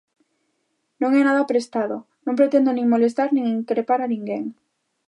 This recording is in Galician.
Non é nada prestado, non pretendo nin molestar nin increpar a ninguén.